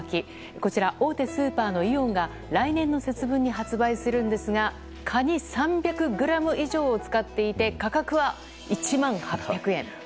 こちら大手スーパーのイオンが来年の節分に発売するんですがカニ３００ｇ以上を使っていて価格は１万８００円。